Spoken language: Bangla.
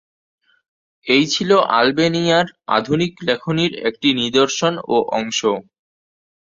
এই ছিলো আলবেনিয়ার আধুনিক লেখনীর একটি নিদর্শন ও অংশ।